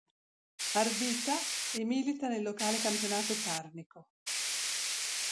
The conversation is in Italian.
Ardita", e milita nel locale campionato Carnico.